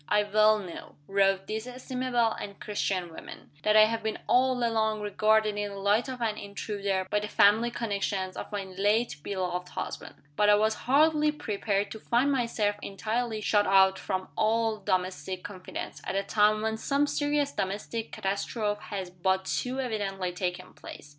"I well know," wrote this estimable and Christian woman, "that I have been all along regarded in the light of an intruder by the family connections of my late beloved husband. But I was hardly prepared to find myself entirely shut out from all domestic confidence, at a time when some serious domestic catastrophe has but too evidently taken place.